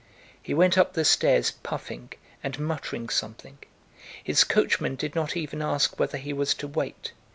He went up the stairs, puffing and muttering something. His coachman did not even ask whether he was to wait.